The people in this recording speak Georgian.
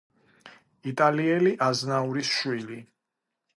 იტალიელი აზნაურის შვილი.